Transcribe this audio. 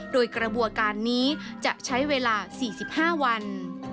โดยกระบวนการนี้จะใช้เวลา๔๕วัน